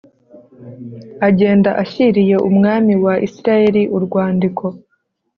Agenda ashyiriye umwami wa Isirayeli urwandiko